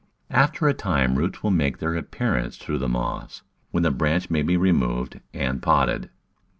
After a time roots will make their appearance through the moss, when the branch may be removed and potted.